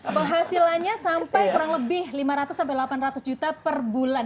penghasilannya sampai kurang lebih lima ratus sampai delapan ratus juta per bulan